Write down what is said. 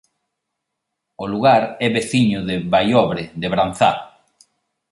O lugar é veciño de Baiobre de Branzá.